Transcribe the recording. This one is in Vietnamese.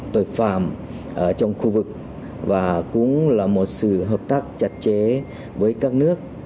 tội phạm trong khu vực và cũng là một sự hợp tác chặt chẽ với các nước